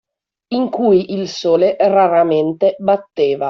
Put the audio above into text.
In cui il sole raramente batteva.